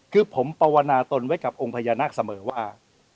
คือผมปวนาตนไว้กับองค์พญานาคเสมอว่า